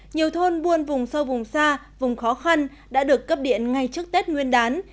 nhiều thôn buôn vùng sâu vùng xa vùng khó khăn đã được cấp điện ngay trước tết nguyên đán